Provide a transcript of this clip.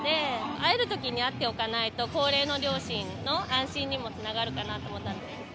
会えるときに会っておかないと、高齢の両親の安心にもつながるかなと思ったので。